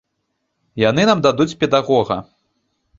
Яны нам дадуць педагога.